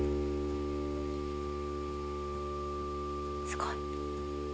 すごい。